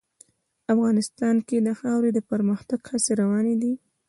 افغانستان کې د خاوره د پرمختګ هڅې روانې دي.